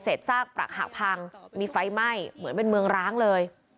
เสดซากปรากหากพังเหมือนเป็นเมืองร้างเลย